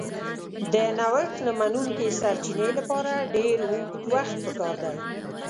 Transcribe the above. د نوښت نه منونکي سرچینې لپاره ډېر اوږد وخت پکار دی.